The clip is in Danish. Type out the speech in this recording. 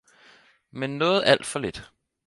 Men noget alt for lidt